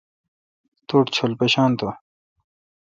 توٹھ چول پیشان تو۔